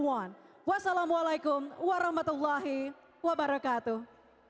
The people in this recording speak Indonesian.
wassalamualaikum warahmatullahi wabarakatuh